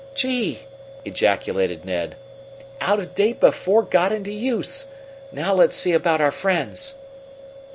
"Gee!" ejaculated Ned. "Out of date before got into use! Now let's see about our friends!"